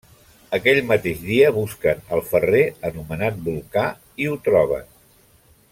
Aquell mateix dia busquen el ferrer anomenat Volcà i ho troben.